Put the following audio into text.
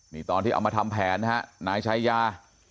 นี่ตอนที่เอามาทำแผนนะฮะนายชายา